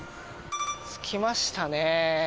着きましたね。